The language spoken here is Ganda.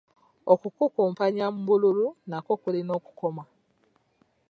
Okukumpanya mu bululu nakwo kulina okukoma.